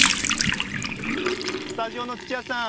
スタジオの土屋さん